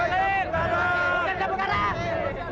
jangan buka karang